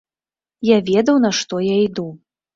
Я ведаў, на што я іду.